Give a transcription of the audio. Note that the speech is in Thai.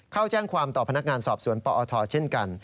เข้าแจ้งความต่อพนักงานสอบสวนปอทเช่นกัน